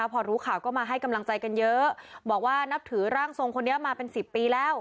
พอรู้ข่าวก็มาให้กำลังใจกันเยอะบอกว่านับถือร่างทรงคนนี้มาเป็น๑๐ปีแล้ว